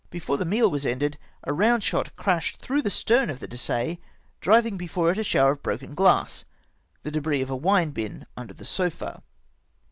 Before the meal w^as ended, aa^ound shot crashed through the stern of the Dessaiv, driving before it a shower of broken glass, the debris of a wine bin under the sofa.